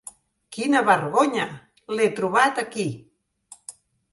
Quina vergonya, l'he trobat aquí.